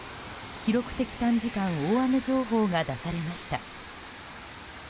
記録的短時間大雨情報が出されました。